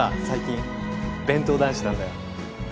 最近弁当男子なんだよ。